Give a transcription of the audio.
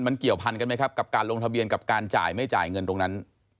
มันเกี่ยวพันกันไหมครับกับการลงทะเบียนกับการจ่ายไม่จ่ายเงินตรงนั้น